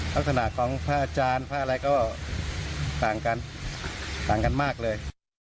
ลักษณะของพระอาจารย์พระอะไรเต็มที่เรื่องต่างกันมากเลย